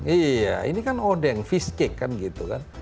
iya ini kan odeng fish cake kan gitu kan